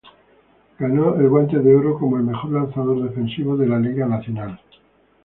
Ganó el Guante de Oro como el mejor lanzador defensivo de la Liga Nacional.